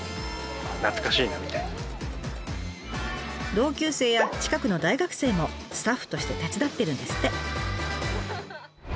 同級生や近くの大学生もスタッフとして手伝ってるんですって。